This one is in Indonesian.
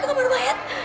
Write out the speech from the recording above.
kamu ada mayat